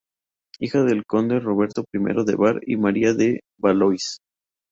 Hija del conde Roberto I de Bar y María de Valois.